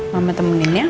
mama temenin ya